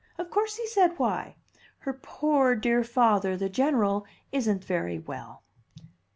Of course he said why. Her poor, dear father, the General, isn't very well."